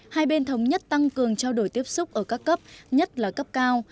hai bên thống nhất tăng cường trao đổi tiếp xúc ở các cấp nhất là cấp cao